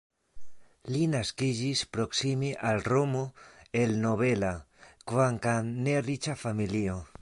Li naskiĝis proksime al Romo el nobela, kvankam ne riĉa familio.